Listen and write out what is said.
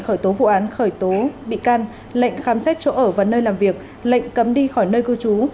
khởi tố vụ án khởi tố bị can lệnh khám xét chỗ ở và nơi làm việc lệnh cấm đi khỏi nơi cư trú